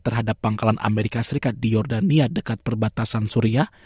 terhadap pangkalan amerika serikat di jordania dekat perbatasan suriah